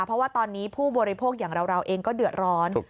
เพราะว่าตอนนี้ผู้บริโภคอย่างเราเองก็เดือดร้อน